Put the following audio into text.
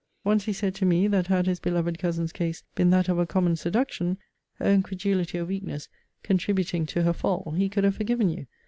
Once he said to me, that had his beloved cousin's case been that of a common seduction, her own credulity or weakness contributing to her fall, he could have forgiven you.